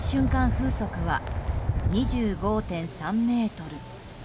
風速は２５．３メートル。